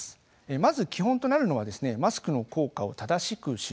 まず基本となるのはマスクの効果を正しく知ることです。